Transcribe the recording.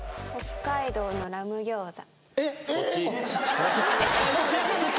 北海道の何餃子？